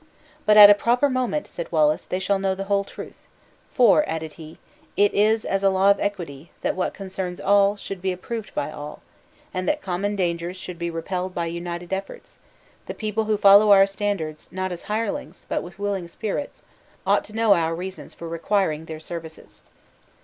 "But at a proper moment," said Wallace, "they shall know the whole truth; for," added he, "as it is a law of equity, that what concerns all, should be approved by all, and that common dangers should be repelled by united efforts, the people who follow our standards, not as hirelings, but with willing spirits, ought to know our reasons for requiring their services."